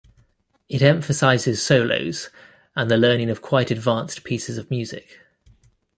It emphasizes solos, and the learning of quite advanced pieces of music.